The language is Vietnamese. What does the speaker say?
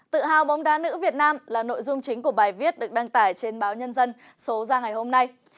tự hào bóng đá nữ việt nam là nội dung chính của bài viết được đăng tải trên báo nhân dân số ra ngày hôm nay